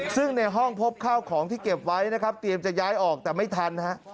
ซึ่งในห้องพบข้าวของที่เก็บไว้นะครับเตรียมจะย้ายออกแต่ไม่ทันฮะ